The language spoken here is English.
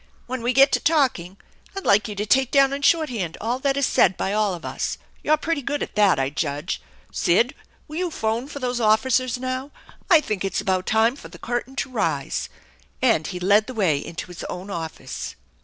When we get to talking I'd like you to take down in shorthand all that is said by all of us. You're pretty good at that, I judge, Sid, will you phone for those officers now ? I think it's about time for the curtain to rise." And he led the way into his own office.